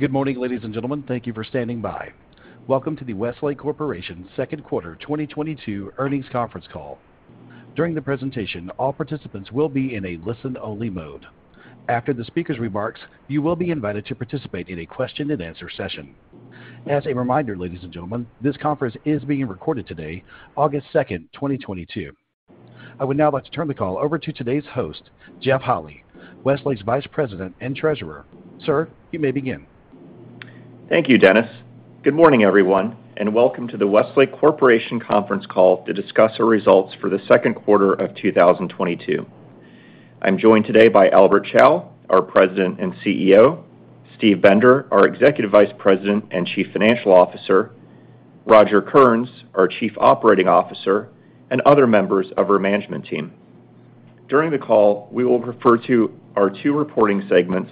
Good morning, ladies and gentlemen. Thank you for standing by. Welcome to the Westlake Corporation second quarter 2022 earnings conference call. During the presentation, all participants will be in a listen-only mode. After the speaker's remarks, you will be invited to participate in a question-and-answer session. As a reminder, ladies and gentlemen, this conference is being recorded today, August 2, 2022. I would now like to turn the call over to today's host, Jeff Holy, Westlake's Vice President and Treasurer. Sir, you may begin. Thank you, Dennis. Good morning, everyone, and welcome to the Westlake Corporation conference call to discuss our results for the second quarter of 2022. I'm joined today by Albert Chao, our President and CEO, Steve Bender, our Executive Vice President and Chief Financial Officer, Roger Kearns, our Chief Operating Officer, and other members of our management team. During the call, we will refer to our two reporting segments,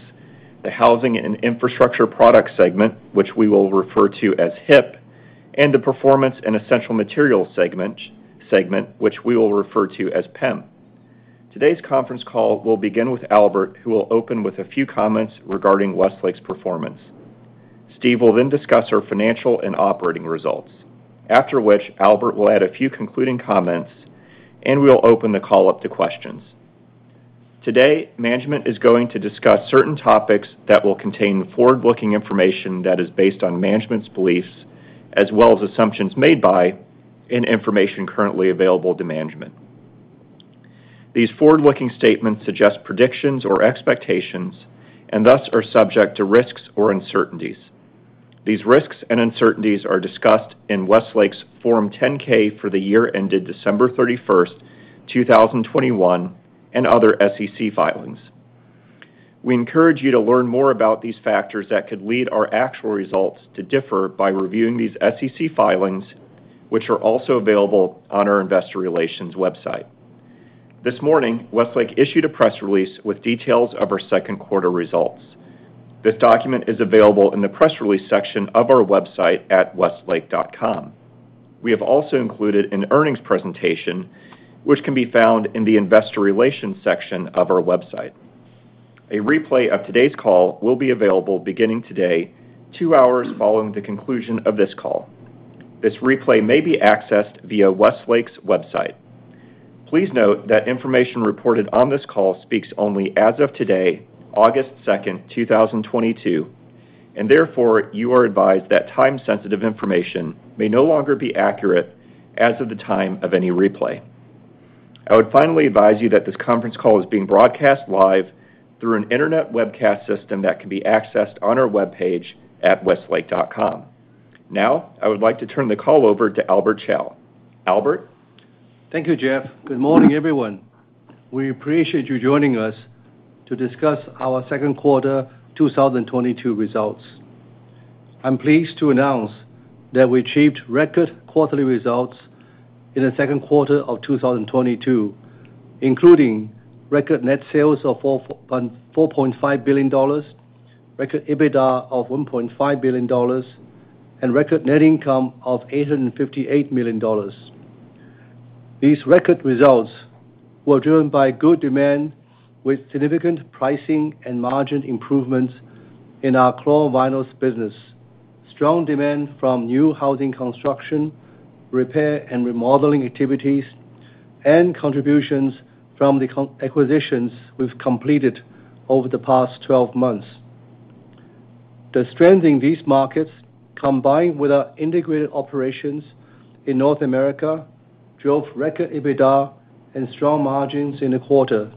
the Housing & Infrastructure Products segment, which we will refer to as HIP, and the Performance & Essential Materials segment, which we will refer to as PEM. Today's conference call will begin with Albert, who will open with a few comments regarding Westlake's performance. Steve will then discuss our financial and operating results. After which, Albert will add a few concluding comments, and we'll open the call up to questions. Today, management is going to discuss certain topics that will contain forward-looking information that is based on management's beliefs as well as assumptions made by and information currently available to management. These forward-looking statements suggest predictions or expectations and thus are subject to risks or uncertainties. These risks and uncertainties are discussed in Westlake's Form 10-K for the year ended December 31, 2021 and other SEC filings. We encourage you to learn more about these factors that could lead our actual results to differ by reviewing these SEC filings, which are also available on our investor relations website. This morning, Westlake issued a press release with details of our second quarter results. This document is available in the press release section of our website at westlake.com. We have also included an earnings presentation, which can be found in the investor relations section of our website. A replay of today's call will be available beginning today, two hours following the conclusion of this call. This replay may be accessed via Westlake's website. Please note that information reported on this call speaks only as of today, August 2, 2022, and therefore, you are advised that time-sensitive information may no longer be accurate as of the time of any replay. I would finally advise you that this conference call is being broadcast live through an internet webcast system that can be accessed on our webpage at westlake.com. Now, I would like to turn the call over to Albert Chao. Albert. Thank you, Jeff. Good morning, everyone. We appreciate you joining us to discuss our second quarter 2022 results. I'm pleased to announce that we achieved record quarterly results in the second quarter of 2022, including record net sales of $4.5 billion, record EBITDA of $1.5 billion, and record net income of $858 million. These record results were driven by good demand with significant pricing and margin improvements in our chlorovinyls business, strong demand from new housing construction, repair and remodeling activities, and contributions from the acquisitions we've completed over the past 12 months. The strength in these markets, combined with our integrated operations in North America, drove record EBITDA and strong margins in the quarter,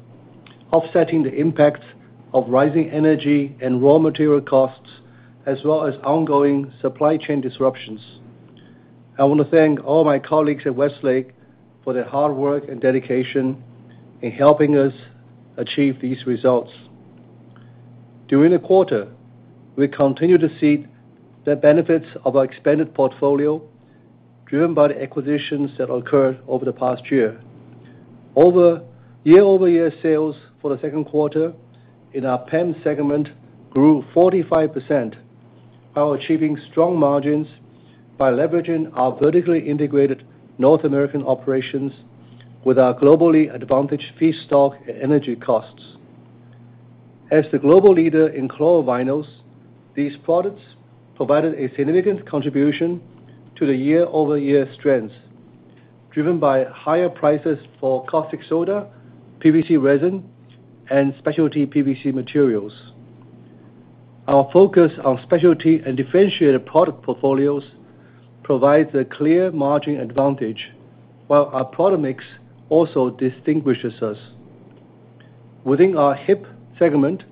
offsetting the impacts of rising energy and raw material costs as well as ongoing supply chain disruptions. I want to thank all my colleagues at Westlake for their hard work and dedication in helping us achieve these results. During the quarter, we continued to see the benefits of our expanded portfolio, driven by the acquisitions that occurred over the past year. Overall, year-over-year sales for the second quarter in our PEM segment grew 45%, while achieving strong margins by leveraging our vertically integrated North American operations with our globally advantaged feedstock and energy costs. As the global leader in chlorovinyls, these products provided a significant contribution to the year-over-year strength, driven by higher prices for caustic soda, PVC resin, and specialty PVC materials. Our focus on specialty and differentiated product portfolios provides a clear margin advantage, while our product mix also distinguishes us. Within our HIP segment,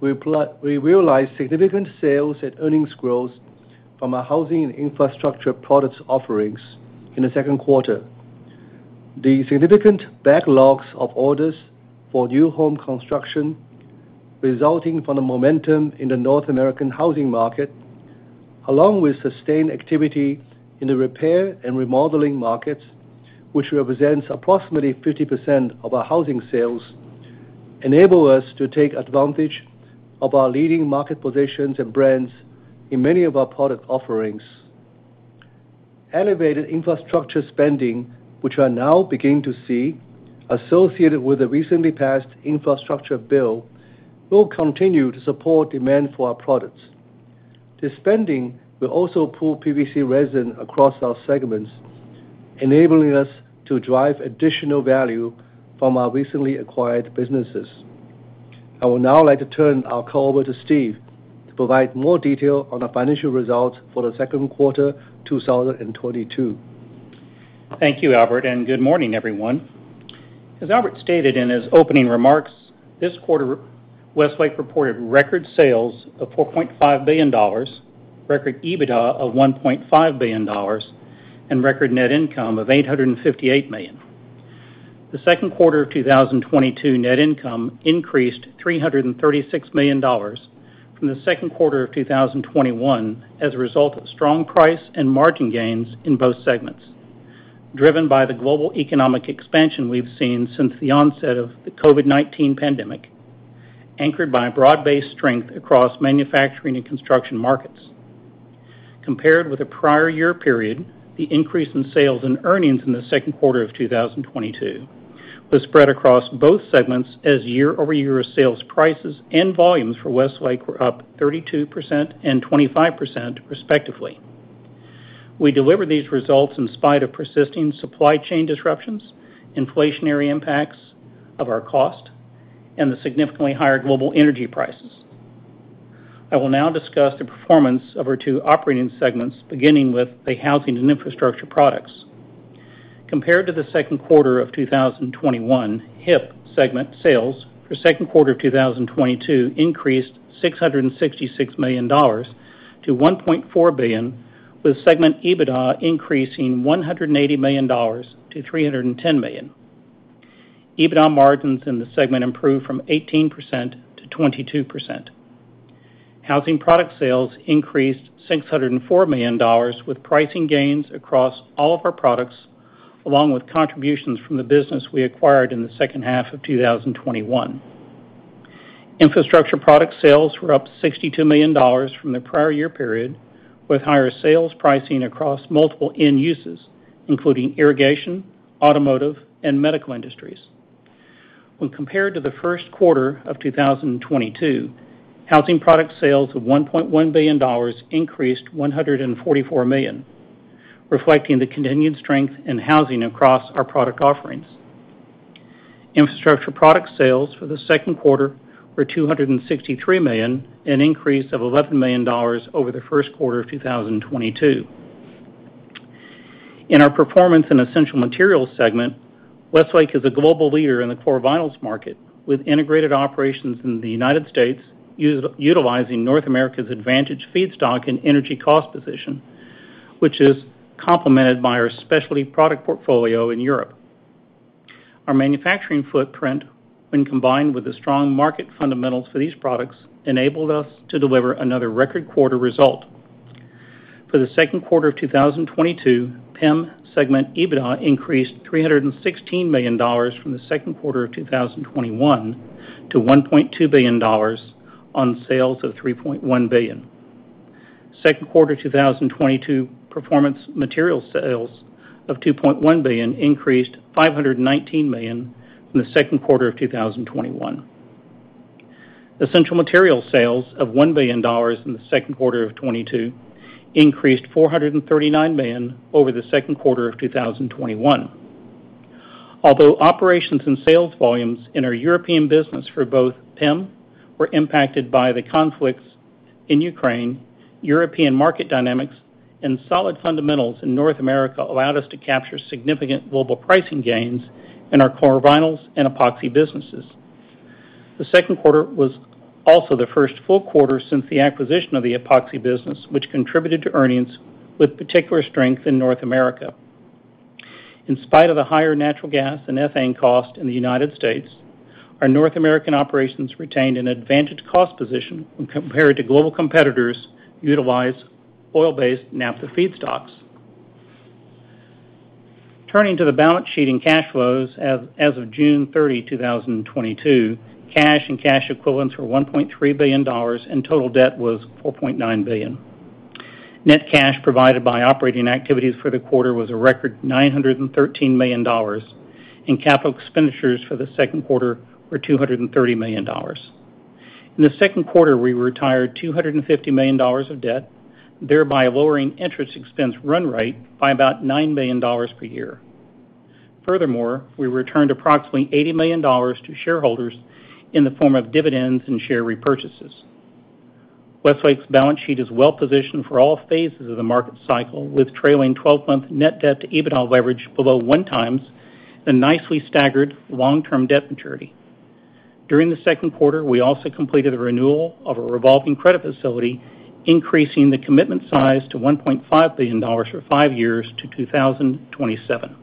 we realized significant sales and earnings growth from our housing and infrastructure products offerings in the second quarter. The significant backlogs of orders for new home construction resulting from the momentum in the North American housing market, along with sustained activity in the repair and remodeling markets, which represents approximately 50% of our housing sales, enable us to take advantage of our leading market positions and brands in many of our product offerings. Elevated infrastructure spending, which we're now beginning to see associated with the recently passed infrastructure bill, will continue to support demand for our products. This spending will also pull PVC resin across our segments, enabling us to drive additional value from our recently acquired businesses. I would now like to turn our call over to Steve to provide more detail on the financial results for the second quarter 2022. Thank you, Albert, and good morning, everyone. As Albert stated in his opening remarks, this quarter, Westlake reported record sales of $4.5 billion, record EBITDA of $1.5 billion, and record net income of $858 million. The second quarter of 2022 net income increased $336 million from the second quarter of 2021 as a result of strong price and margin gains in both segments, driven by the global economic expansion we've seen since the onset of the COVID-19 pandemic, anchored by broad-based strength across manufacturing and construction markets. Compared with the prior year period, the increase in sales and earnings in the second quarter of 2022 was spread across both segments as year-over-year sales prices and volumes for Westlake were up 32% and 25% respectively. We delivered these results in spite of persisting supply chain disruptions, inflationary impacts of our cost, and the significantly higher global energy prices. I will now discuss the performance of our two operating segments, beginning with the housing and infrastructure products. Compared to the second quarter of 2021, HIP segment sales for second quarter of 2022 increased $666 million to $1.4 billion, with segment EBITDA increasing $180 million to $310 million. EBITDA margins in the segment improved from 18% to 22%. Housing product sales increased $604 million, with pricing gains across all of our products, along with contributions from the business we acquired in the second half of 2021. Infrastructure product sales were up $62 million from the prior year period, with higher sales pricing across multiple end uses, including irrigation, automotive, and medical industries. When compared to the first quarter of 2022, housing product sales of $1.1 billion increased $144 million, reflecting the continued strength in housing across our product offerings. Infrastructure product sales for the second quarter were $263 million, an increase of $11 million over the first quarter of 2022. In our Performance & Essential Materials segment, Westlake is a global leader in the core vinyls market, with integrated operations in the United States, utilizing North America's advantaged feedstock and energy cost position, which is complemented by our specialty product portfolio in Europe. Our manufacturing footprint, when combined with the strong market fundamentals for these products, enabled us to deliver another record quarter result. For the second quarter of 2022, PEM segment EBITDA increased $316 million from the second quarter of 2021 to $1.2 billion on sales of $3.1 billion. Second quarter 2022 Performance Materials sales of $2.1 billion increased $519 million from the second quarter of 2021. Essential Materials sales of $1 billion in the second quarter of 2022 increased $439 million over the second quarter of 2021. Although operations and sales volumes in our European business for both PEM were impacted by the conflicts in Ukraine, European market dynamics and solid fundamentals in North America allowed us to capture significant global pricing gains in our core vinyls and epoxy businesses. The second quarter was also the first full quarter since the acquisition of the epoxy business, which contributed to earnings with particular strength in North America. In spite of the higher natural gas and ethane cost in the United States, our North American operations retained an advantaged cost position when compared to global competitors utilize oil-based naphtha feedstocks. Turning to the balance sheet and cash flows as of June 30, 2022, cash and cash equivalents were $1.3 billion, and total debt was $4.9 billion. Net cash provided by operating activities for the quarter was a record $913 million, and capital expenditures for the second quarter were $230 million. In the second quarter, we retired $250 million of debt, thereby lowering interest expense run rate by about $9 million per year. Furthermore, we returned approximately $80 million to shareholders in the form of dividends and share repurchases. Westlake's balance sheet is well positioned for all phases of the market cycle, with trailing 12-month net debt to EBITDA leverage below 1x the nicely staggered long-term debt maturity. During the second quarter, we also completed a renewal of a revolving credit facility, increasing the commitment size to $1.5 billion for 5 years to 2027.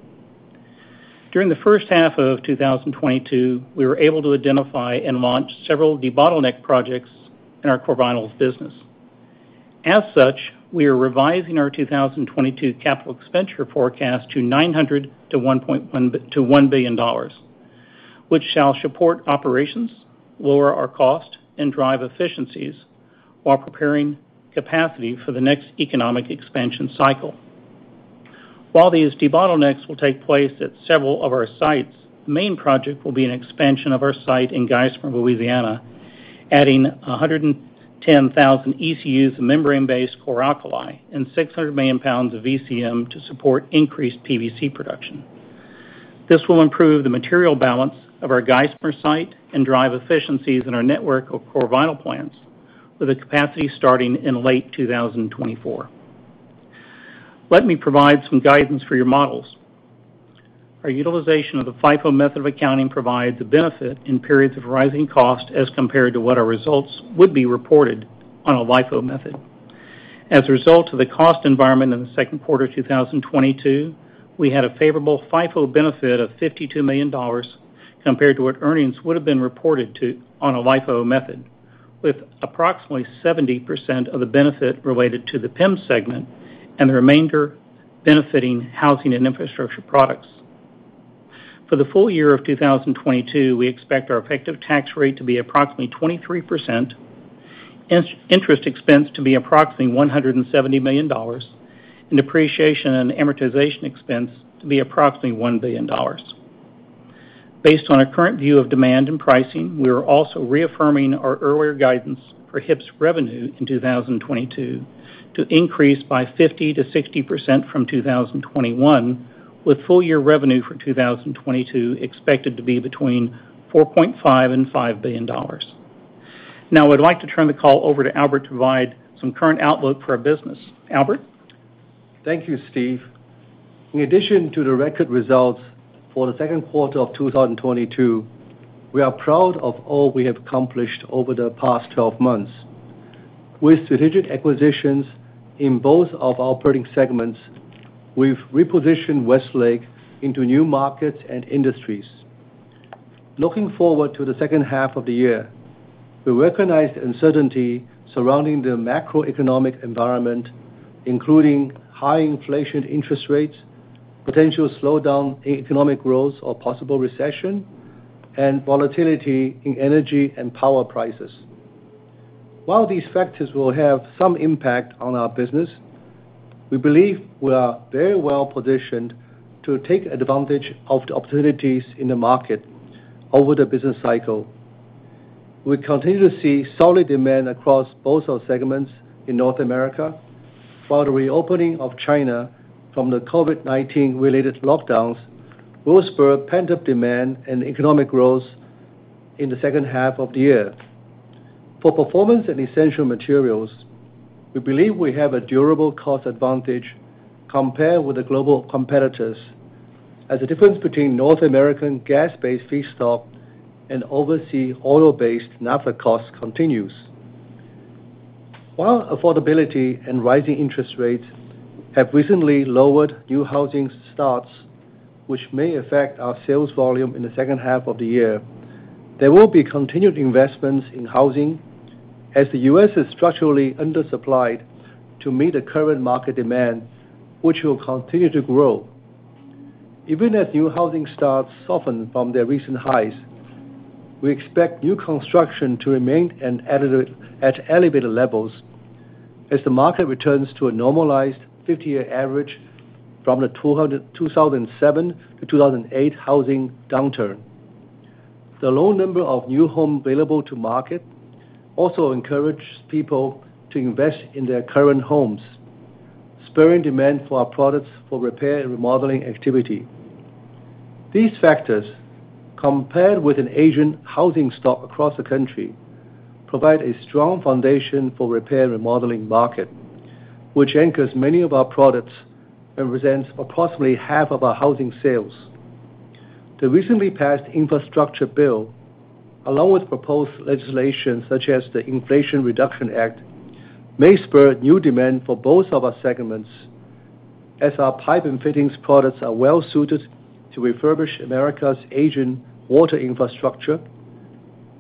During the first half of 2022, we were able to identify and launch several debottleneck projects in our core vinyls business. As such, we are revising our 2022 capital expenditure forecast to $900 million-$1.1 billion. Which shall support operations, lower our cost, and drive efficiencies while preparing capacity for the next economic expansion cycle. While these debottlenecks will take place at several of our sites, the main project will be an expansion of our site in Geismar, Louisiana, adding 110,000 ECUs membrane-based chlor-alkali and 600 million pounds of VCM to support increased PVC production. This will improve the material balance of our Geismar site and drive efficiencies in our network of core vinyl plants with a capacity starting in late 2024. Let me provide some guidance for your models. Our utilization of the FIFO method of accounting provides a benefit in periods of rising costs as compared to what our results would be reported on a LIFO method. As a result of the cost environment in the second quarter 2022, we had a favorable FIFO benefit of $52 million compared to what earnings would have been reported on a LIFO method, with approximately 70% of the benefit related to the PEM segment and the remainder benefiting Housing and Infrastructure Products. For the full year of 2022, we expect our effective tax rate to be approximately 23%, interest expense to be approximately $170 million, and depreciation and amortization expense to be approximately $1 billion. Based on our current view of demand and pricing, we are also reaffirming our earlier guidance for HIP's revenue in 2022 to increase by 50%-60% from 2021, with full year revenue for 2022 expected to be between $4.5 billion and $5 billion. Now I'd like to turn the call over to Albert to provide some current outlook for our business. Albert? Thank you, Steve. In addition to the record results for the second quarter of 2022, we are proud of all we have accomplished over the past 12 months. With strategic acquisitions in both of our operating segments, we've repositioned Westlake into new markets and industries. Looking forward to the second half of the year, we recognize the uncertainty surrounding the macroeconomic environment, including high inflation, interest rates, potential slowdown in economic growth or possible recession, and volatility in energy and power prices. While these factors will have some impact on our business, we believe we are very well positioned to take advantage of the opportunities in the market over the business cycle. We continue to see solid demand across both our segments in North America, while the reopening of China from the COVID-19 related lockdowns will spur pent-up demand and economic growth in the second half of the year. For Performance and Essential Materials, we believe we have a durable cost advantage compared with the global competitors as the difference between North American gas-based feedstock and overseas oil-based naphtha costs continues. While affordability and rising interest rates have recently lowered new housing starts, which may affect our sales volume in the second half of the year, there will be continued investments in housing as the U.S. is structurally undersupplied to meet the current market demand, which will continue to grow. Even as new housing starts soften from their recent highs, we expect new construction to remain at elevated levels as the market returns to a normalized 50-year average from the 2007-2008 housing downturn. The low number of new homes available to market also encourage people to invest in their current homes, spurring demand for our products for repair and remodeling activity. These factors, compared with an aging housing stock across the country, provide a strong foundation for repair and remodeling market, which anchors many of our products and represents approximately half of our housing sales. The recently passed infrastructure bill, along with proposed legislation such as the Inflation Reduction Act, may spur new demand for both of our segments as our pipe and fittings products are well suited to refurbish America's aging water infrastructure,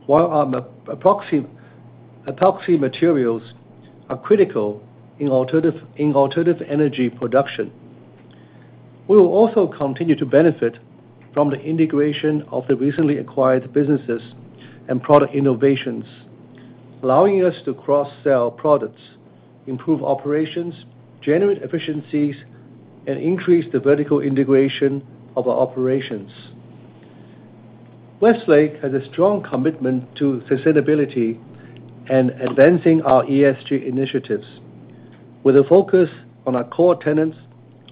while our epoxy materials are critical in alternative energy production. We will also continue to benefit from the integration of the recently acquired businesses and product innovations, allowing us to cross-sell products, improve operations, generate efficiencies, and increase the vertical integration of our operations. Westlake has a strong commitment to sustainability and advancing our ESG initiatives with a focus on our core tenets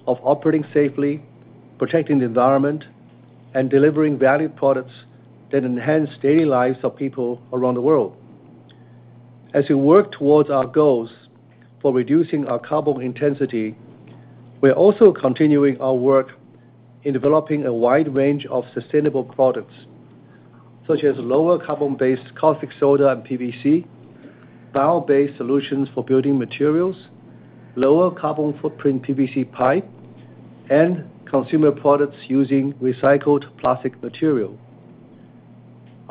of operating safely, protecting the environment, and delivering valued products that enhance daily lives of people around the world. As we work towards our goals for reducing our carbon intensity, we are also continuing our work in developing a wide range of sustainable products, such as lower carbon-based caustic soda and PVC, bio-based solutions for building materials, lower carbon footprint PVC pipe, and consumer products using recycled plastic material.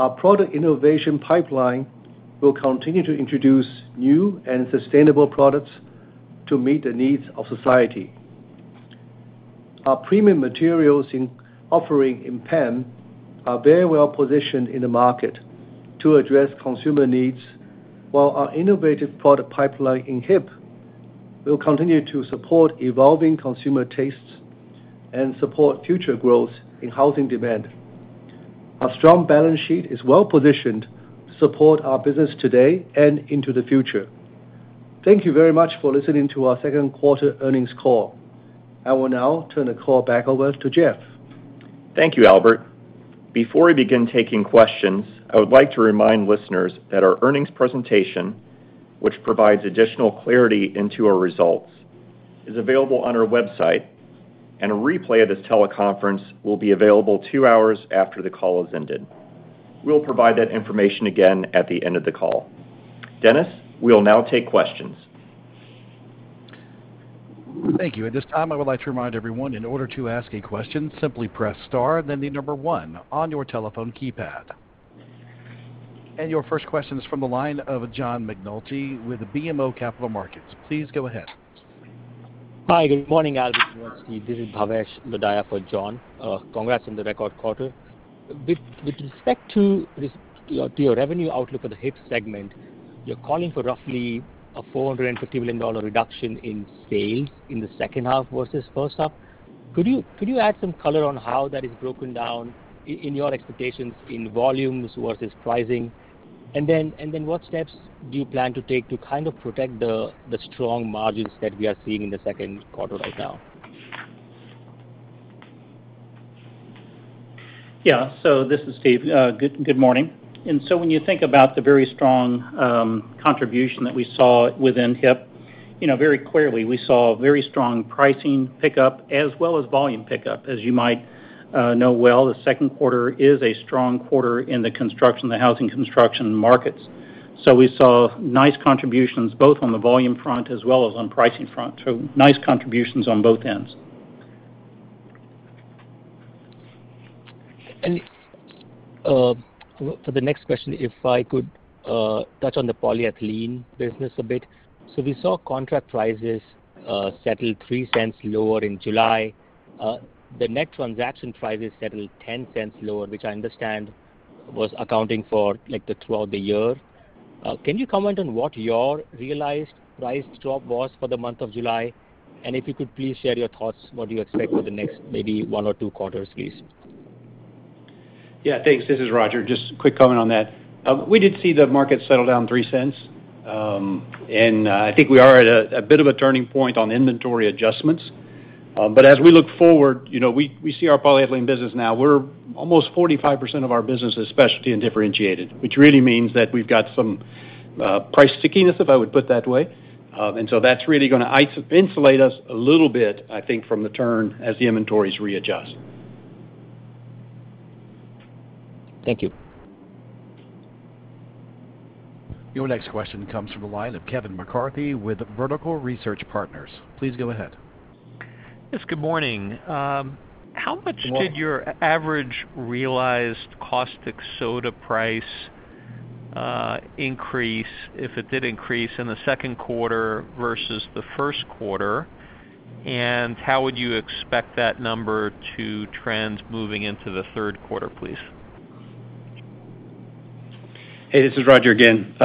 Our product innovation pipeline will continue to introduce new and sustainable products to meet the needs of society. Our premium materials in offering in PEM are very well positioned in the market to address consumer needs, while our innovative product pipeline in HIP will continue to support evolving consumer tastes and support future growth in housing demand. Our strong balance sheet is well positioned to support our business today and into the future. Thank you very much for listening to our second quarter earnings call. I will now turn the call back over to Jeff. Thank you, Albert. Before we begin taking questions, I would like to remind listeners that our earnings presentation, which provides additional clarity into our results, is available on our website, and a replay of this teleconference will be available two hours after the call has ended. We'll provide that information again at the end of the call. Dennis, we'll now take questions. Thank you. At this time, I would like to remind everyone in order to ask a question, simply press star and then the number one on your telephone keypad. Your first question is from the line of John McNulty with BMO Capital Markets. Please go ahead. Hi, good morning, Albert. This is Bhavesh Lodaya for John. Congrats on the record quarter. With respect to your revenue outlook for the HIP segment, you're calling for roughly a $450 million reduction in sales in the second half versus first half. Could you add some color on how that is broken down in your expectations in volumes versus pricing? What steps do you plan to take to kind of protect the strong margins that we are seeing in the second quarter right now? This is Steve. Good morning. When you think about the very strong contribution that we saw within HIP, you know, very clearly, we saw a very strong pricing pickup as well as volume pickup. As you might know well, the second quarter is a strong quarter in the construction, the housing construction markets. We saw nice contributions both on the volume front as well as on pricing front. Nice contributions on both ends. For the next question, if I could touch on the polyethylene business a bit. We saw contract prices settle 3 cents lower in July. The next transaction prices settled 10 cents lower, which I understand was accounting for, like, the throughout the year. Can you comment on what your realized price drop was for the month of July? If you could please share your thoughts, what do you expect for the next maybe one or two quarters, please? Yeah, thanks. This is Roger. Just quick comment on that. We did see the market settle down $0.03. I think we are at a bit of a turning point on inventory adjustments. As we look forward, you know, we see our polyethylene business now. We're almost 45% of our business is specialty and differentiated, which really means that we've got some price stickiness, if I would put that way. That's really gonna insulate us a little bit, I think, from the turn as the inventories readjust. Thank you. Your next question comes from the line of Kevin McCarthy with Vertical Research Partners. Please go ahead. Yes, good morning. Good morning. Did your average realized caustic soda price increase, if it did increase, in the second quarter versus the first quarter? How would you expect that number to trend moving into the third quarter, please? Hey, this is Roger again.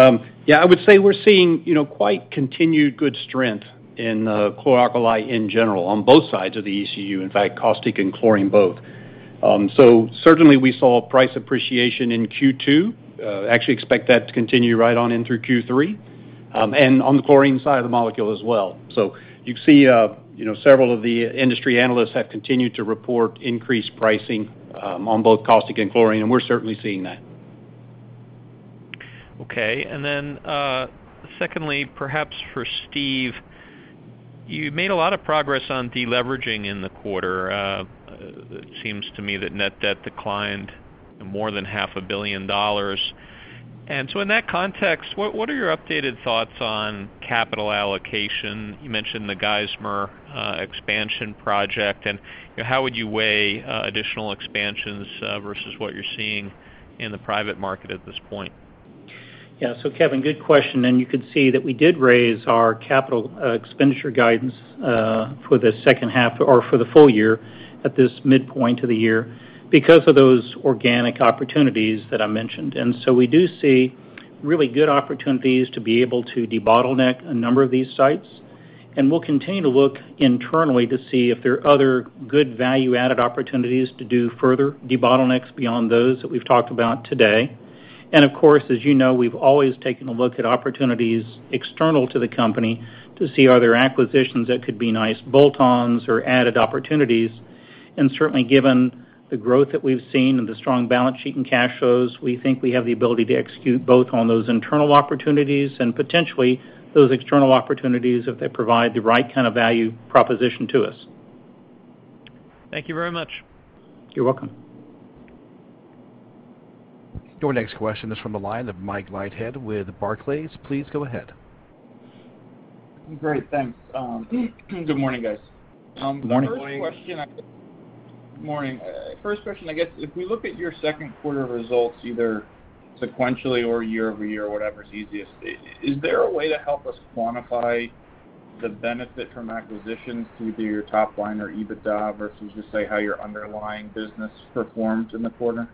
Yeah, I would say we're seeing, you know, quite continued good strength in chlor-alkali in general on both sides of the ECU, in fact, caustic and chlorine both. Certainly we saw price appreciation in Q2. Actually expect that to continue right on in through Q3, and on the chlorine side of the molecule as well. You see, you know, several of the industry analysts have continued to report increased pricing on both caustic and chlorine, and we're certainly seeing that. Okay. Secondly, perhaps for Steve, you made a lot of progress on deleveraging in the quarter. It seems to me that net debt declined more than half a billion dollars. In that context, what are your updated thoughts on capital allocation? You mentioned the Geismar expansion project, and how would you weigh additional expansions versus what you're seeing in the private market at this point? Kevin, good question, and you can see that we did raise our capital expenditure guidance for the second half or for the full year at this midpoint of the year because of those organic opportunities that I mentioned. We do see really good opportunities to be able to debottleneck a number of these sites. We'll continue to look internally to see if there are other good value-added opportunities to do further debottlenecks beyond those that we've talked about today. Of course, as you know, we've always taken a look at opportunities external to the company to see are there acquisitions that could be nice bolt-ons or added opportunities. Certainly, given the growth that we've seen and the strong balance sheet and cash flows, we think we have the ability to execute both on those internal opportunities and potentially those external opportunities if they provide the right kind of value proposition to us. Thank you very much. You're welcome. Your next question is from the line of Mike Leithead with Barclays. Please go ahead. Great. Thanks. Good morning, guys. Good morning. Morning. First question, I guess if we look at your second quarter results, either sequentially or year-over-year, whatever's easiest, is there a way to help us quantify the benefit from acquisitions to either your top line or EBITDA versus just say how your underlying business performed in the quarter?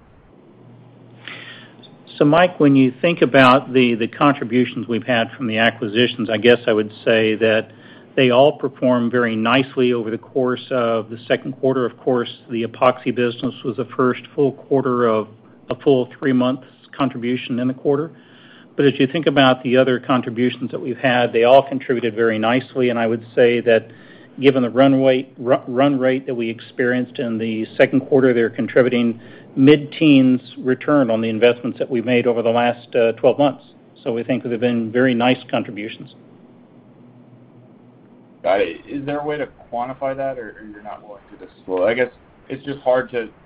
Mike, when you think about the contributions we've had from the acquisitions, I guess I would say that they all performed very nicely over the course of the second quarter. Of course, the Epoxy business was the first full quarter of a full three months contribution in the quarter. But as you think about the other contributions that we've had, they all contributed very nicely, and I would say that given the run rate that we experienced in the second quarter, they're contributing mid-teens return on the investments that we made over the last 12 months. We think they've been very nice contributions. Is there a way to quantify that or you're not willing to disclose? I guess it's just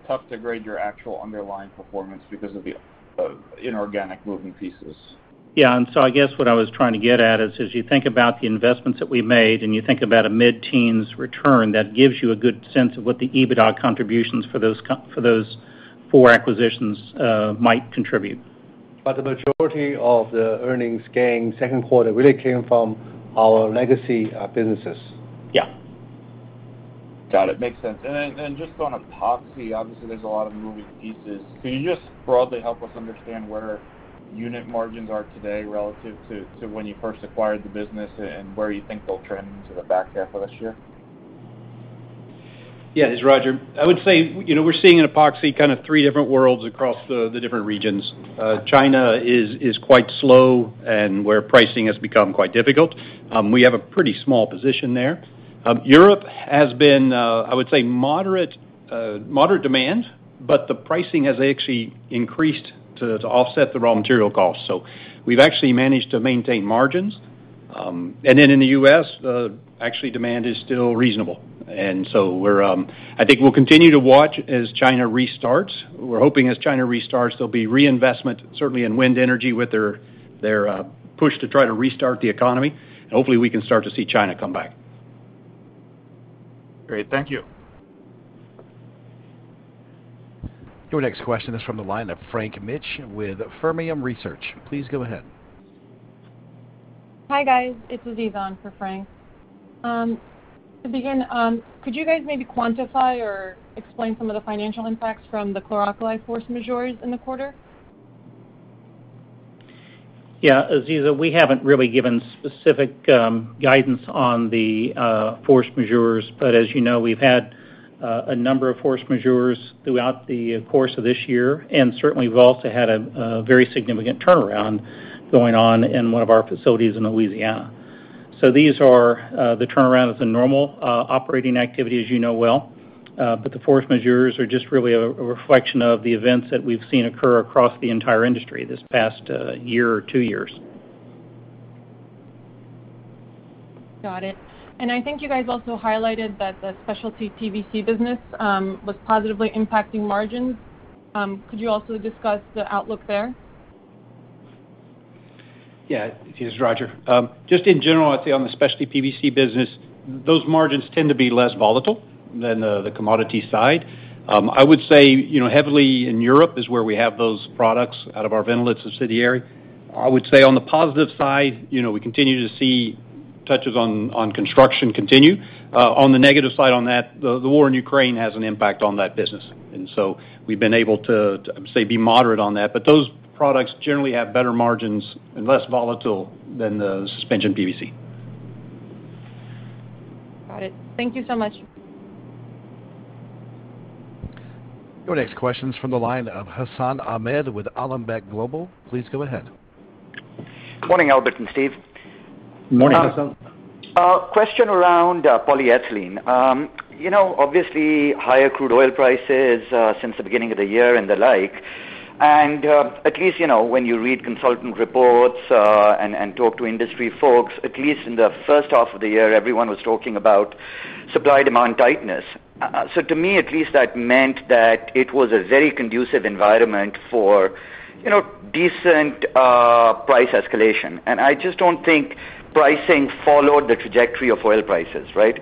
tough to grade your actual underlying performance because of the inorganic moving pieces. I guess what I was trying to get at is, as you think about the investments that we made and you think about a mid-teens return, that gives you a good sense of what the EBITDA contributions for those four acquisitions might contribute. The majority of the earnings gain second quarter really came from our legacy businesses. Yeah. Got it. Makes sense. Just on epoxy, obviously there's a lot of moving pieces. Can you just broadly help us understand where unit margins are today relative to when you first acquired the business and where you think they'll trend into the back half of this year? Yeah. It's Roger. I would say, you know, we're seeing in epoxy kind of three different worlds across the different regions. China is quite slow and pricing has become quite difficult. We have a pretty small position there. Europe has been, I would say, moderate demand, but the pricing has actually increased to offset the raw material costs. So we've actually managed to maintain margins. And then in the US, actually demand is still reasonable. I think we'll continue to watch as China restarts. We're hoping as China restarts, there'll be reinvestment, certainly in wind energy with their push to try to restart the economy, and hopefully we can start to see China come back. Great. Thank you. Your next question is from the line of Frank Mitsch with Fermium Research. Please go ahead. Hi, guys. It's Aziza in for Frank. To begin, could you guys maybe quantify or explain some of the financial impacts from the chlor-alkali force majeure in the quarter? Yeah, Aziza, we haven't really given specific guidance on the force majeurs, but as you know, we've had a number of force majeurs throughout the course of this year, and certainly we've also had a very significant turnaround going on in one of our facilities in Louisiana. These are, the turnaround is a normal operating activity, as you know well, but the force majeurs are just really a reflection of the events that we've seen occur across the entire industry this past year or two years. Got it. I think you guys also highlighted that the specialty PVC business was positively impacting margins. Could you also discuss the outlook there? Yeah, it is Roger. Just in general, I'd say on the specialty PVC business, those margins tend to be less volatile than the commodity side. I would say, you know, heavily in Europe is where we have those products out of our Vinnolit subsidiary. I would say on the positive side, you know, we continue to see touches on construction continue. On the negative side on that, the war in Ukraine has an impact on that business. We've been able to, I would say, be moderate on that. Those products generally have better margins and less volatile than the suspension PVC. Got it. Thank you so much. Your next question is from the line of Hassan Ahmed with Alembic Global. Please go ahead. Morning, Albert and Steve. Morning, Hassan. Question around polyethylene. You know, obviously, higher crude oil prices since the beginning of the year and the like. At least you know, when you read consultant reports and talk to industry folks, at least in the first half of the year, everyone was talking about supply-demand tightness. To me at least, that meant that it was a very conducive environment for, you know, decent price escalation. I just don't think pricing followed the trajectory of oil prices, right?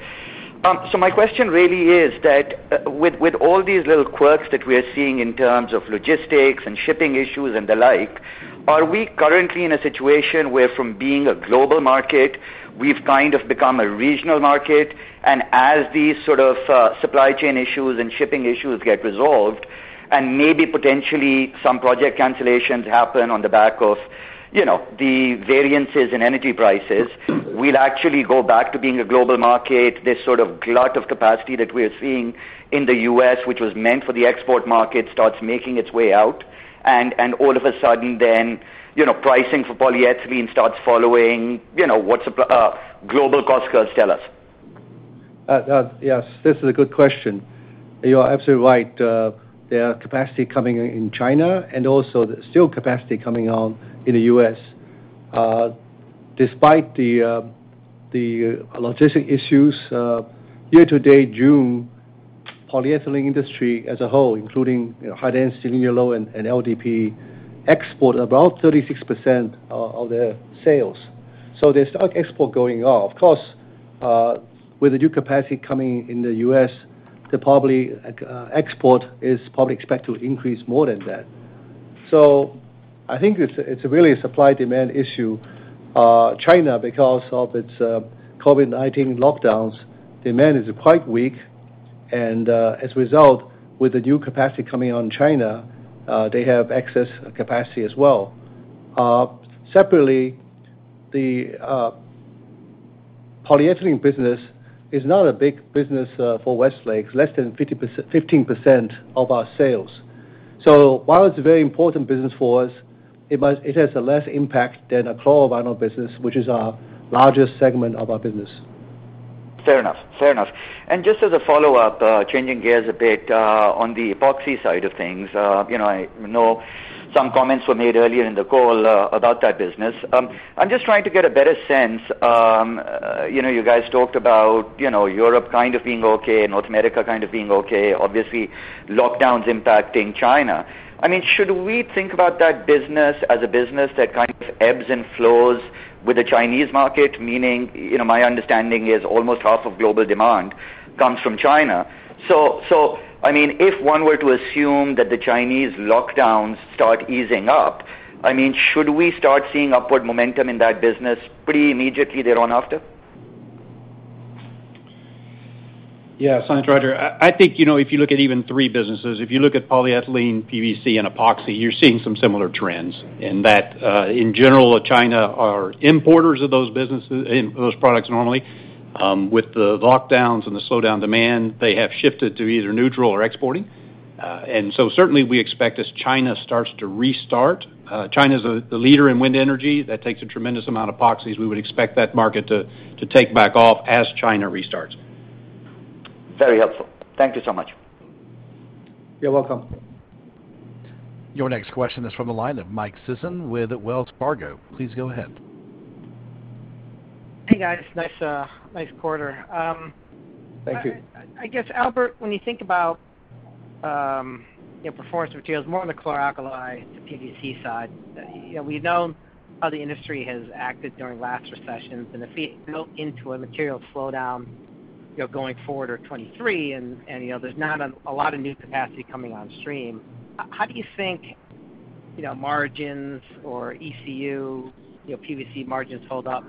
My question really is that with all these little quirks that we are seeing in terms of logistics and shipping issues and the like, are we currently in a situation where from being a global market, we've kind of become a regional market, and as these sort of supply chain issues and shipping issues get resolved and maybe potentially some project cancellations happen on the back of, you know, the variances in energy prices, we'll actually go back to being a global market, this sort of glut of capacity that we're seeing in the U.S., which was meant for the export market, starts making its way out, and all of a sudden then, you know, pricing for polyethylene starts following, you know, what global cost curves tell us? Yes, this is a good question. You are absolutely right. There are capacity coming in China and also there's still capacity coming out in the US. Despite the logistic issues, year-to-date June, polyethylene industry as a whole, including, you know, high-density, linear low, and LDPE, export about 36% of their sales. So there's strong export going on. Of course, with the new capacity coming in the US, the export is probably expected to increase more than that. So I think it's really a supply-demand issue. China, because of its COVID-19 lockdowns, demand is quite weak. As a result, with the new capacity coming on in China, they have excess capacity as well. Separately, the polyethylene business is not a big business for Westlake. 15% of our sales. While it's a very important business for us, it has a less impact than a chlorovinyls business, which is our largest segment of our business. Fair enough. Just as a follow-up, changing gears a bit, on the epoxy side of things. You know, I know some comments were made earlier in the call, about that business. I'm just trying to get a better sense, you know, you guys talked about, you know, Europe kind of being okay, North America kind of being okay. Obviously, lockdowns impacting China. I mean, should we think about that business as a business that kind of ebbs and flows with the Chinese market? Meaning, you know, my understanding is almost half of global demand comes from China. So, I mean, if one were to assume that the Chinese lockdowns start easing up, I mean, should we start seeing upward momentum in that business pretty immediately thereon after? Yeah. Thanks, Roger. I think, you know, if you look at even three businesses, if you look at polyethylene, PVC, and epoxy, you're seeing some similar trends in that, in general, China are importers of those products normally. With the lockdowns and the slowdown demand, they have shifted to either neutral or exporting. Certainly we expect as China starts to restart, China's the leader in wind energy, that takes a tremendous amount of epoxies. We would expect that market to take back off as China restarts. Very helpful. Thank you so much. You're welcome. Your next question is from the line of Michael Sison with Wells Fargo. Please go ahead. Hey, guys. Nice quarter. Thank you. I guess, Albert, when you think about, you know, performance materials more on the chlor-alkali to PVC side, you know, we know how the industry has acted during last recessions and if we go into a material slowdown, you know, going forward or 2023, and, you know, there's not a lot of new capacity coming on stream, how do you think, you know, margins or ECU, you know, PVC margins hold up,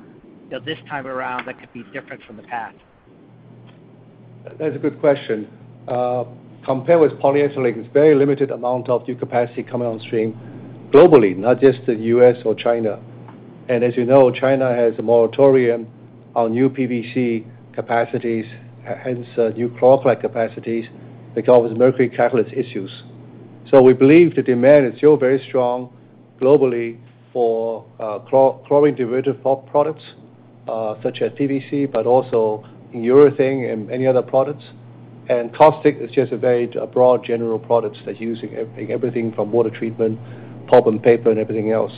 you know, this time around that could be different from the past? That's a good question. Compared with polyethylene, it's very limited amount of new capacity coming on stream globally, not just the US or China. As you know, China has a moratorium on new PVC capacities, hence, new chlor-alkali capacities because of mercury catalyst issues. We believe the demand is still very strong globally for chlorine derivative products, such as PVC, but also in urethane and many other products. Caustic is just a very broad general products that's used in everything from water treatment, pulp and paper, and everything else.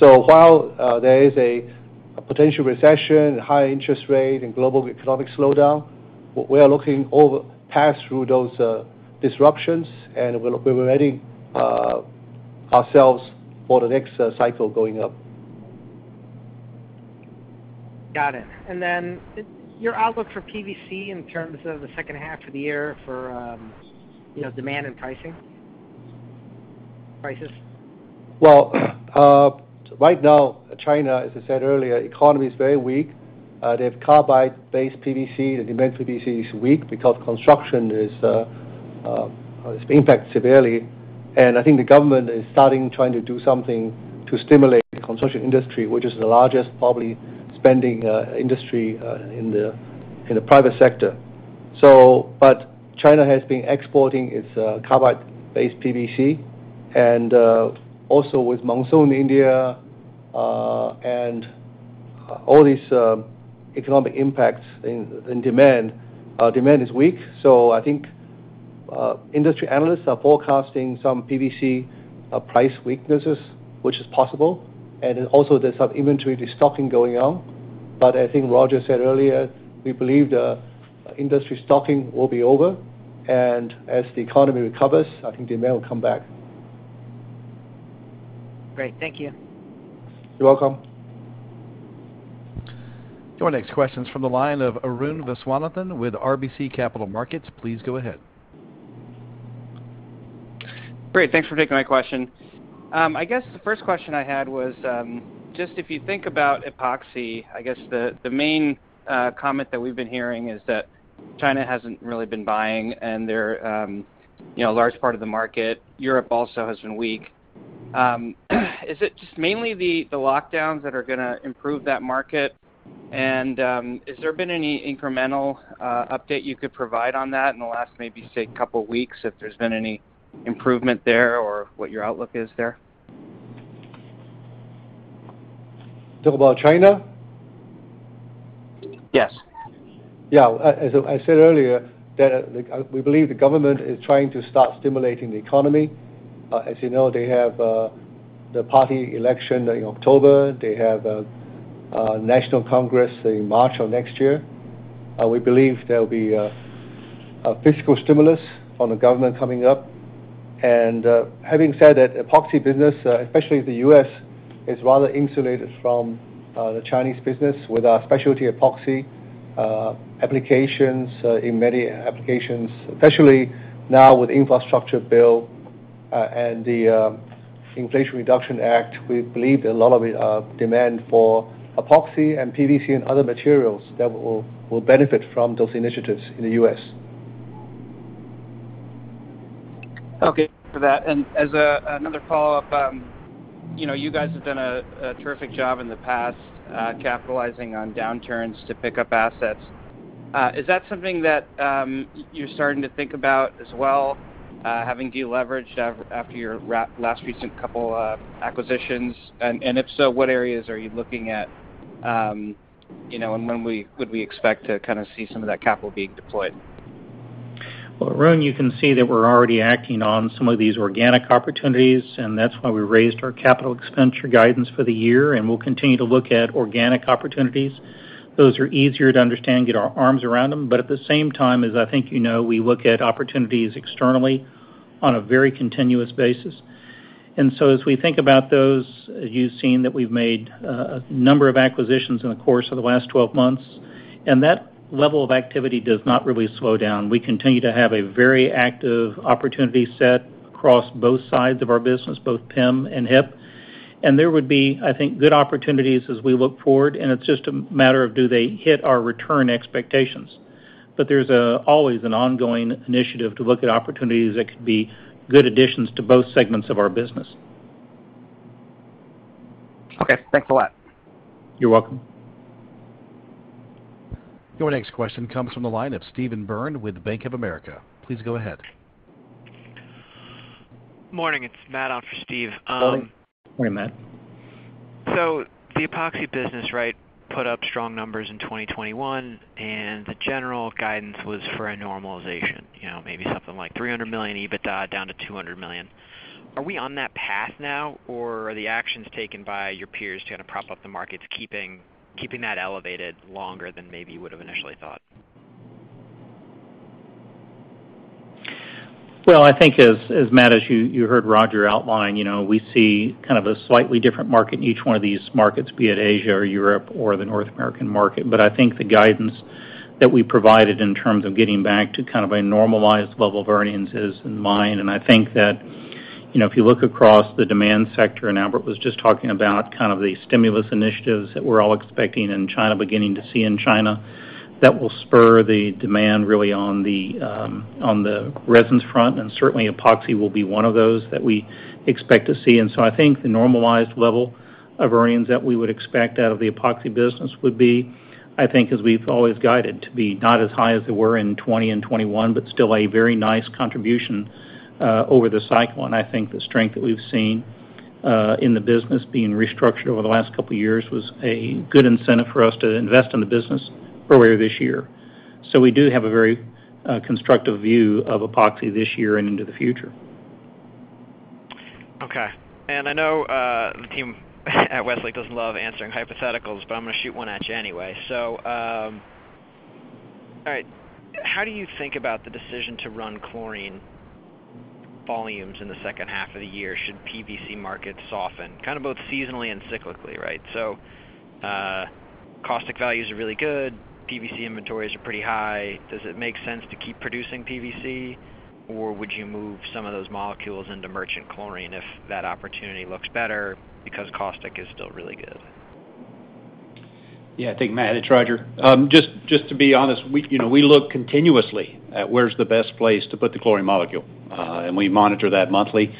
While there is a potential recession, high interest rate, and global economic slowdown, we are looking past through those disruptions, and we're ready ourselves for the next cycle going up. Got it. Your outlook for PVC in terms of the second half of the year for, you know, demand and pricing, prices? Well, right now, China, as I said earlier, economy is very weak. They have carbide-based PVC. The demand for PVC is weak because construction is impacted severely. I think the government is starting trying to do something to stimulate the construction industry, which is the largest probably spending industry in the private sector. China has been exporting its carbide-based PVC and also with monsoon, India, and all these economic impacts in demand is weak. I think industry analysts are forecasting some PVC price weaknesses, which is possible. Also there's some inventory destocking going on. I think Roger said earlier, we believe the industry stocking will be over, and as the economy recovers, I think demand will come back. Great. Thank you. You're welcome. Your next question is from the line of Arun Viswanathan with RBC Capital Markets. Please go ahead. Great. Thanks for taking my question. I guess the first question I had was just if you think about epoxy, I guess the main comment that we've been hearing is that China hasn't really been buying, and they're you know, a large part of the market. Europe also has been weak. Is it just mainly the lockdowns that are gonna improve that market? Has there been any incremental update you could provide on that in the last, maybe, say, couple weeks, if there's been any improvement there or what your outlook is there? Talk about China? Yes. As I said earlier, we believe the government is trying to start stimulating the economy. As you know, they have the party election in October. They have national Congress in March of next year. We believe there'll be fiscal stimulus from the government coming up. Having said that, epoxy business, especially the U.S., is rather insulated from the Chinese business with our specialty epoxy applications in many applications, especially now with Infrastructure Bill and the Inflation Reduction Act. We believe that a lot of it demand for epoxy and PVC and other materials that will benefit from those initiatives in the U.S. Okay. For that. As another follow-up, you know, you guys have done a terrific job in the past, capitalizing on downturns to pick up assets. Is that something that you're starting to think about as well, having deleveraged after your last recent couple of acquisitions? And if so, what areas are you looking at, you know, and when would we expect to kinda see some of that capital being deployed? Well, Arun, you can see that we're already acting on some of these organic opportunities, and that's why we raised our capital expenditure guidance for the year, and we'll continue to look at organic opportunities. Those are easier to understand, get our arms around them. At the same time, as I think you know, we look at opportunities externally on a very continuous basis. As we think about those, you've seen that we've made a number of acquisitions in the course of the last 12 months, and that level of activity does not really slow down. We continue to have a very active opportunity set across both sides of our business, both PEM and HIP. There would be, I think, good opportunities as we look forward, and it's just a matter of do they hit our return expectations. There's always an ongoing initiative to look at opportunities that could be good additions to both segments of our business. Okay. Thanks a lot. You're welcome. Your next question comes from the line of Steve Byrne with Bank of America. Please go ahead. Morning, it's Matt on for Steve. Morning. Morning, Matt. The epoxy business, right, put up strong numbers in 2021, and the general guidance was for a normalization, you know, maybe something like $300 million EBITDA down to $200 million. Are we on that path now, or are the actions taken by your peers to kind of prop up the markets keeping that elevated longer than maybe you would've initially thought? Well, I think as Matt, as you heard Roger outline, you know, we see kind of a slightly different market in each one of these markets, be it Asia or Europe or the North American market. I think the guidance that we provided in terms of getting back to kind of a normalized level of earnings is in mind. I think that, you know, if you look across the demand sector, and Albert was just talking about kind of the stimulus initiatives that we're all expecting and beginning to see in China, that will spur the demand really on the resins front, and certainly epoxy will be one of those that we expect to see. I think the normalized level of earnings that we would expect out of the Epoxy business would be, I think as we've always guided, to be not as high as they were in 2020 and 2021, but still a very nice contribution over the cycle. I think the strength that we've seen in the business being restructured over the last couple years was a good incentive for us to invest in the business earlier this year. We do have a very constructive view of Epoxy this year and into the future. Okay. I know the team at Westlake doesn't love answering hypotheticals, but I'm gonna shoot one at you anyway. All right. How do you think about the decision to run chlorine volumes in the second half of the year, should PVC markets soften, kind of both seasonally and cyclically, right? Caustic values are really good. PVC inventories are pretty high. Does it make sense to keep producing PVC, or would you move some of those molecules into merchant chlorine if that opportunity looks better because caustic is still really good? Yeah. I think, Matt, it's Roger. Just to be honest, we look continuously at where's the best place to put the chlorine molecule, and we monitor that monthly.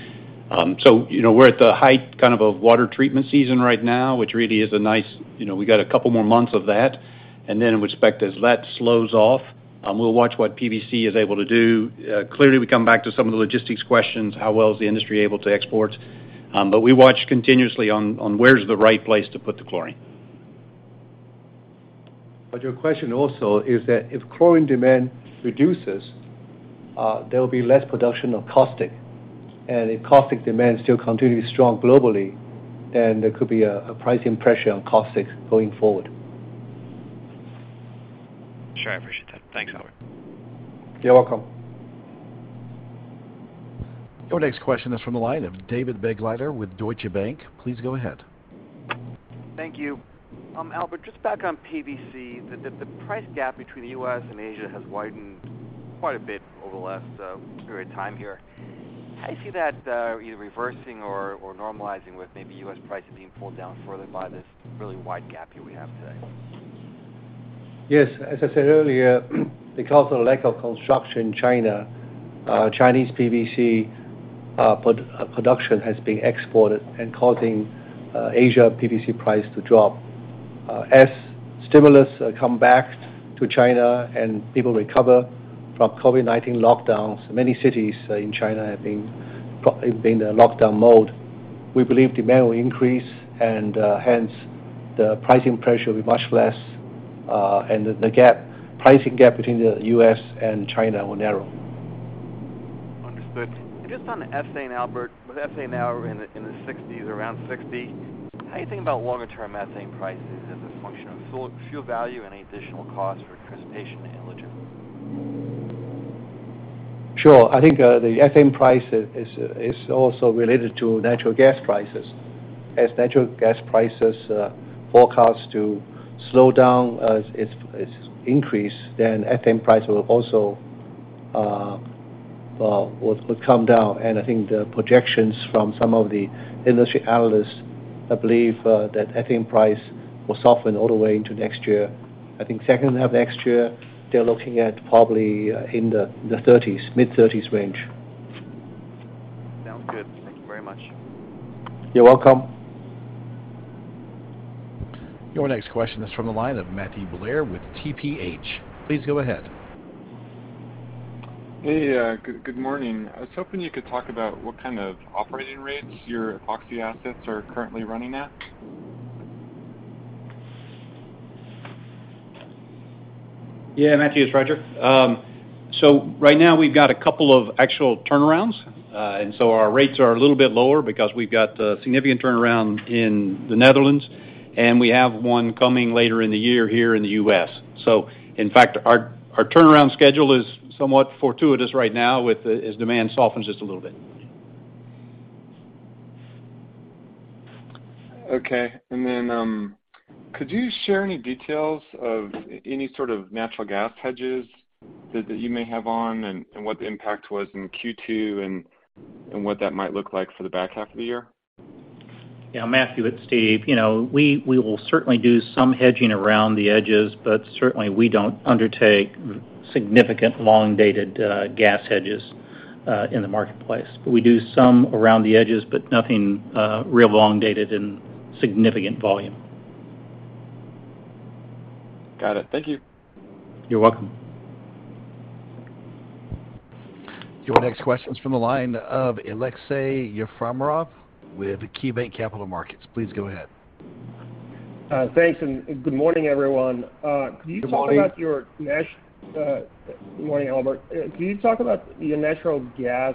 So, you know, we're at the height kind of a water treatment season right now, which really is a nice, you know, we got a couple more months of that, and then we expect as that slows off, we'll watch what PVC is able to do. Clearly, we come back to some of the logistics questions, how well is the industry able to export. We watch continuously on where's the right place to put the chlorine. Your question also is that if chlorine demand reduces, there will be less production of caustic. If caustic demand is still continually strong globally, then there could be a pricing pressure on caustics going forward. Sure. I appreciate that. Thanks, Albert. You're welcome. Your next question is from the line of David Begleiter with Deutsche Bank. Please go ahead. Thank you. Albert, just back on PVC. The price gap between the U.S. and Asia has widened quite a bit over the last period of time here. How do you see that either reversing or normalizing with maybe U.S. prices being pulled down further by this really wide gap here we have today? Yes. As I said earlier, because of the lack of construction in China, Chinese PVC production has been exported and causing Asia PVC price to drop. As stimulus come back to China and people recover from COVID-19 lockdowns, many cities in China have been in the lockdown mode. We believe demand will increase and hence the pricing pressure will be much less, and the pricing gap between the U.S. and China will narrow. Understood. Just on the ethane, Albert, with ethane now in the $0.60s, around $0.60, how do you think about longer term ethane prices as a function of fuel value and any additional costs for participation in Alliance? Sure. I think the ethane price is also related to natural gas prices. As natural gas prices forecast to slow down as it's increased, then ethane price will also come down. I think the projections from some of the industry analysts believe that ethane price will soften all the way into next year. I think second half of next year, they're looking at probably in the thirties, mid-thirties range. Sounds good. Thank you very much. You're welcome. Your next question is from the line of Matthew Blair with TPH. Please go ahead. Hey, good morning. I was hoping you could talk about what kind of operating rates your epoxy assets are currently running at? Yeah, Matthew, it's Roger. Right now we've got a couple of actual turnarounds. Our rates are a little bit lower because we've got a significant turnaround in the Netherlands, and we have one coming later in the year here in the U.S. In fact, our turnaround schedule is somewhat fortuitous right now as demand softens just a little bit. Okay, could you share any details of any sort of natural gas hedges that you may have on and what the impact was in Q2 and what that might look like for the back half of the year? Yeah, Matthew, it's Steve. You know, we will certainly do some hedging around the edges, but certainly we don't undertake significant long-dated gas hedges in the marketplace. We do some around the edges, but nothing real long-dated in significant volume. Got it. Thank you. You're welcome. Your next question's from the line of Aleksey Yefremov with KeyBanc Capital Markets. Please go ahead. Thanks and good morning, everyone. Good morning. Good morning, Albert. Could you talk about your natural gas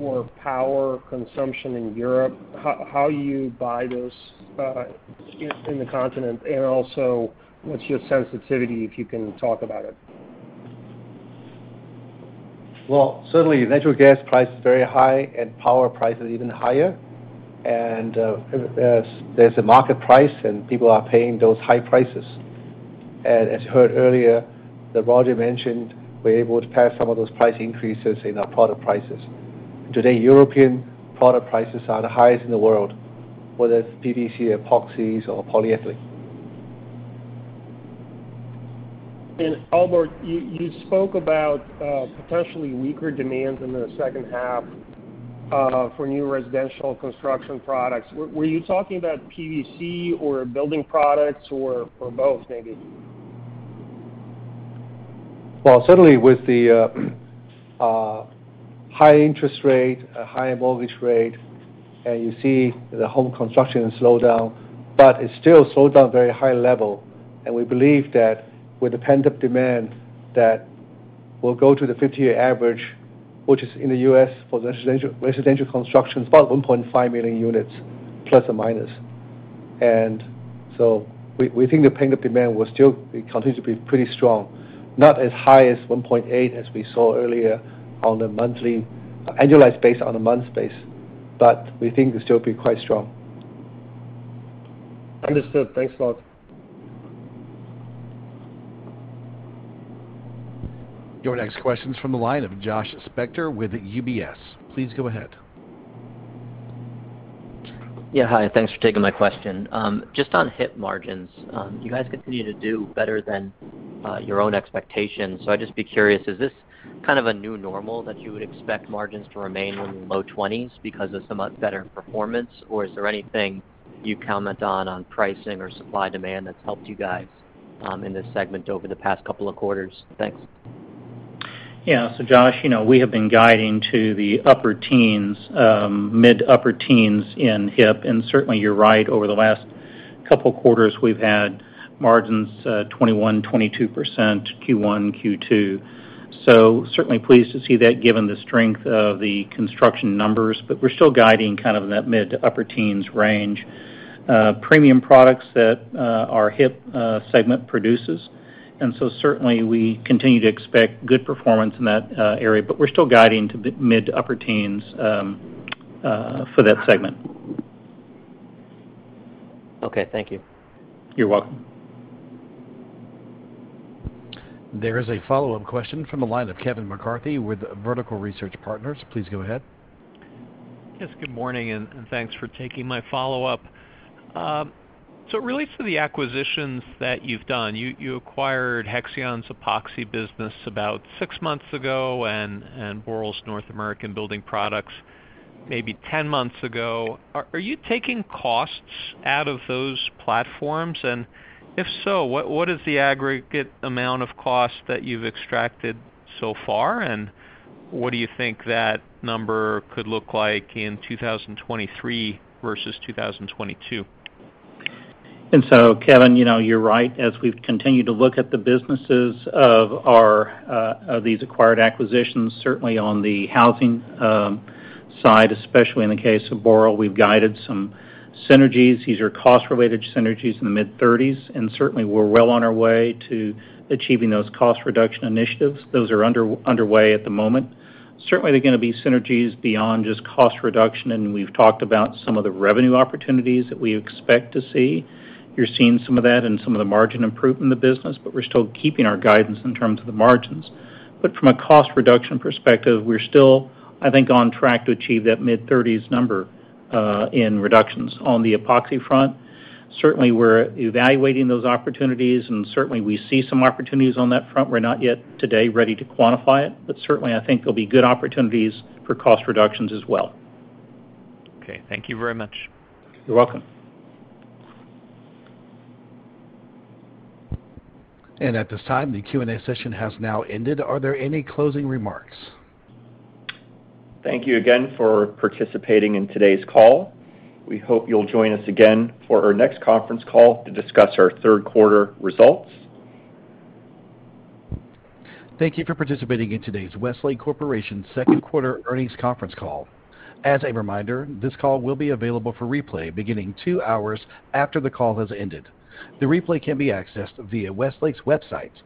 or power consumption in Europe, how you buy those in the continent, and also, what's your sensitivity, if you can talk about it? Well, certainly natural gas price is very high and power price is even higher. There's a market price, and people are paying those high prices. As you heard earlier that Roger mentioned, we're able to pass some of those price increases in our product prices. Today, European product prices are the highest in the world, whether it's PVC, epoxies or polyethylene. Albert, you spoke about potentially weaker demands in the second half for new residential construction products. Were you talking about PVC or building products or both maybe? Well, certainly with the high interest rate, high mortgage rate, and you see the home construction slow down, but it's still slowed down very high level. We believe that with the pent-up demand that will go to the 50-year average, which is in the U.S. for residential construction is about 1.5 million units plus or minus. We think the pent-up demand will continue to be pretty strong. Not as high as 1.8 as we saw earlier on a monthly annualized basis on a monthly basis, but we think it'll still be quite strong. Understood. Thanks a lot. Your next question's from the line of Joshua Spector with UBS. Please go ahead. Yeah, hi. Thanks for taking my question. Just on HIP margins, you guys continue to do better than your own expectations. I'd just be curious, is this kind of a new normal that you would expect margins to remain in the low 20s% because of some better performance? Or is there anything you'd comment on pricing or supply demand that's helped you guys in this segment over the past couple of quarters? Thanks. Yeah. Josh, you know, we have been guiding to the upper teens, mid upper teens in HIP, and certainly you're right, over the last couple quarters, we've had margins, 21%, 22% Q1, Q2. Certainly pleased to see that given the strength of the construction numbers, but we're still guiding kind of in that mid to upper teens range. Premium products that our HIP segment produces. Certainly we continue to expect good performance in that area, but we're still guiding to the mid to upper teens for that segment. Okay, thank you. You're welcome. There is a follow-up question from the line of Kevin McCarthy with Vertical Research Partners. Please go ahead. Yes, good morning and thanks for taking my follow-up. It relates to the acquisitions that you've done. You acquired Hexion's epoxy business about six months ago and Boral's North American Building Products maybe ten months ago. Are you taking costs out of those platforms? And if so, what is the aggregate amount of cost that you've extracted so far, and what do you think that number could look like in 2023 versus 2022? Kevin, you know, you're right. As we've continued to look at the businesses of our these acquired acquisitions, certainly on the housing side, especially in the case of Boral, we've guided some synergies. These are cost-related synergies in the mid-30s, and certainly we're well on our way to achieving those cost reduction initiatives. Those are underway at the moment. Certainly they're gonna be synergies beyond just cost reduction, and we've talked about some of the revenue opportunities that we expect to see. You're seeing some of that in some of the margin improvement in the business, but we're still keeping our guidance in terms of the margins. But from a cost reduction perspective, we're still, I think, on track to achieve that mid-30s number in reductions. On the Epoxy front, certainly we're evaluating those opportunities, and certainly we see some opportunities on that front. We're not yet today ready to quantify it, but certainly I think there'll be good opportunities for cost reductions as well. Okay. Thank you very much. You're welcome. At this time, the Q&A session has now ended. Are there any closing remarks? Thank you again for participating in today's call. We hope you'll join us again for our next conference call to discuss our third quarter results. Thank you for participating in today's Westlake Corporation second quarter earnings conference call. As a reminder, this call will be available for replay beginning two hours after the call has ended. The replay can be accessed via Westlake's website.